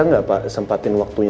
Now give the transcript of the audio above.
enggak pak sempatin waktunya